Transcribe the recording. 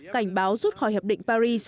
cảnh báo rút khỏi hiệp định paris